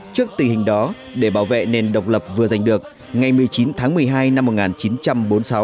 trước tình hình đó để bảo vệ nền độc lập vừa giành được ngày một mươi chín tháng một mươi hai năm một nghìn chín trăm bốn mươi sáu